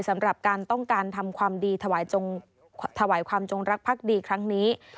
สำหรับการต้องการทำความดีถวายความจงรักภักดีครั้งนี้